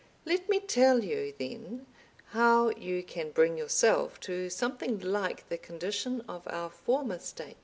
Let me tell you then how you can bring yourself to something like the condition of our former state.